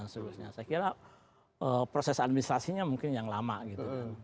saya kira proses administrasinya mungkin yang lama gitu